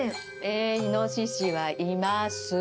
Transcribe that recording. えイノシシはいます。